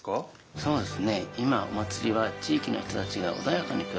そうですね。